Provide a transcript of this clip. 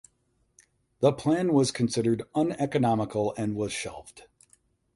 The plan was considered uneconomical and was shelved.